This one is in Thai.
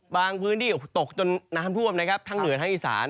พื้นที่ตกจนน้ำท่วมนะครับทั้งเหนือทั้งอีสาน